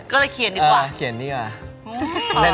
ก็เลยเขียนดีกว่าเขียนดีกว่า